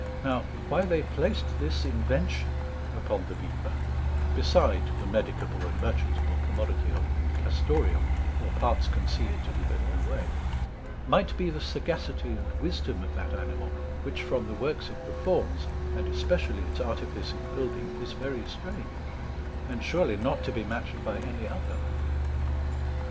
Now why they placed this invention upon the Bever (beside the Medicable and Merchantable commodity of Castoreum, or parts conceived to be bitten away) might be the sagacity and wisdom of that Animal, which from the works it performs, and especially its Artifice in building, is very strange, and surely not to be matched by any other.